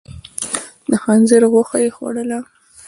د خنزير غوښه يې خوړله؟